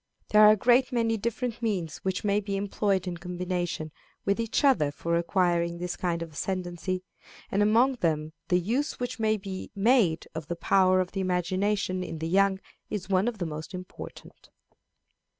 There are a great many different means which may be employed in combination with each other for acquiring this kind of ascendency, and among them the use which may be made of the power of the imagination in the young is one of the most important.